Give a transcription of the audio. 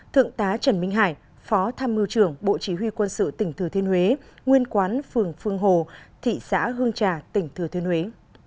hai thượng tá trần minh hải phó tham mưu trưởng bộ chỉ huy quân sự tỉnh thừa thiên huế nguyên quán phường phương hồ thị xã hương trà tỉnh thừa thiên huế